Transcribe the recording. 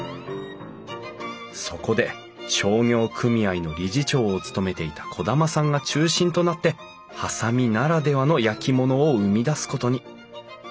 そこで商業組合の理事長を務めていた兒玉さんが中心となって波佐見ならではの焼き物を生み出すことに。